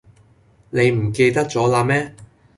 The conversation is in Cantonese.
你唔記得咗啦咩?